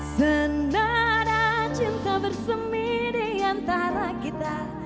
sendara cinta bersemi diantara kita